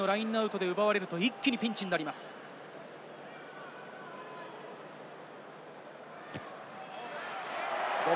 今のように自陣のラインアウトで奪われると一気にピンチになります。